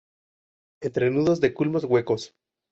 Entrenudos de culmos huecos.